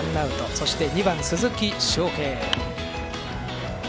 そして、２番、鈴木将平。